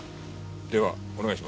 ではお願いします。